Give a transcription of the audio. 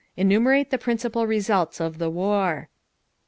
Enumerate the principal results of the war.